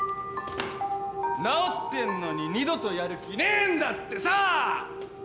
治ってんのに二度とやる気ねえんだってさ！